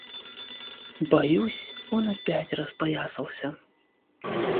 Боюсь, он опять распоясался.